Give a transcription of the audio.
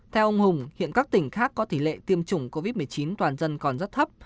theo ông hùng hiện các tỉnh khác có tỷ lệ tiêm chủng covid một mươi chín toàn dân còn rất thấp